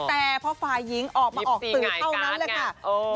แต่เพราะฝ่ายยิงออกมาออกตื่นเท่านั้นเลยค่ะ